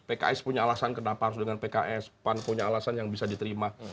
pks punya alasan kenapa harus dengan pks pan punya alasan yang bisa diterima